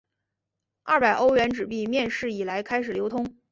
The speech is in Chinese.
二百欧元纸币面世以来开始流通。